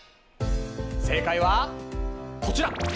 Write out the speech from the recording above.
正解はこちら！